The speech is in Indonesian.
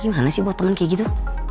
gimana sih buat temen kayak gitu